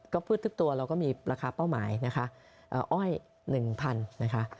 ก็พืชทึกตัวเราก็มีราคาเป้าหมายนะคะเอ่ออ้อยหนึ่งพันนะคะ